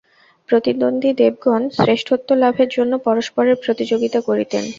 প্রতিদ্বন্দ্বী দেবগণ শ্রেষ্ঠত্বলাভের জন্য পরস্পরের প্রতিযোগিতা করিতেন।